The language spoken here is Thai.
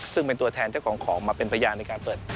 ซึ่งเป็นตัวแทนเจ้าของของมาเป็นพยานในการเปิด